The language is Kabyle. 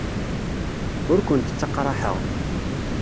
Ur kent-ttaqraḥeɣ.